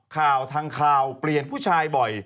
ข่าวทางข่าวเปลี่ยนผู้ชายบ่อย